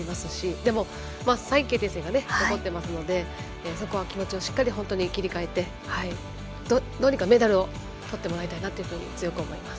でも、３位決定戦が残っているのでそこは気持ちを切り替えてどうにかメダルをとってもらいたいと強く思います。